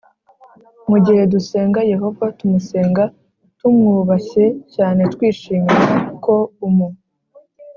Mu gihe dusenga yehova tumusenga tumwubashye cyane twishimira ko umu